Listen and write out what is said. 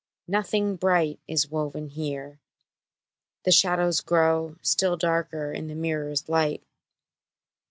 Nothing bright Is woven here: the shadows grow Still darker in the mirror's light!